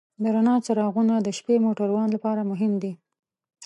د رڼا څراغونه د شپې موټروان لپاره مهم دي.